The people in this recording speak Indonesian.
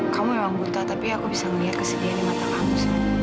kamu emang buta tapi aku bisa ngeliat kesedihan di mata kamu